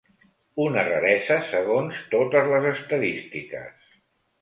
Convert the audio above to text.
Una raresa segons totes les estadístiques.